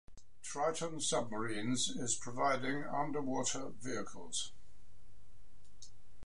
Triton Submarines is providing underwater vehicles.